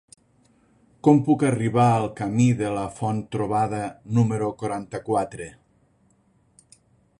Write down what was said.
Com puc arribar al camí de la Font-trobada número quaranta-quatre?